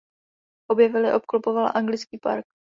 Obě vily obklopoval anglický park.